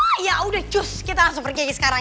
oh ya udah cus kita langsung pergi aja sekarang